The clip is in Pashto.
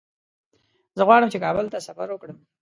زه غواړم چې کابل ته سفر وکړم.